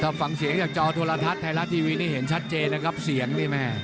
ถ้าฟังเสียงจากจอโทรทัศน์ไทยรัฐทีวีนี่เห็นชัดเจนนะครับเสียงนี่แม่